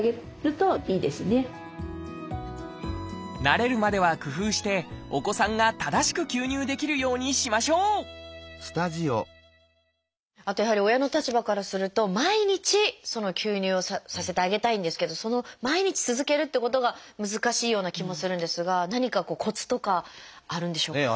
慣れるまでは工夫してお子さんが正しく吸入できるようにしましょうあとやはり親の立場からすると毎日吸入をさせてあげたいんですけどその毎日続けるってことが難しいような気もするんですが何かコツとかあるんでしょうか？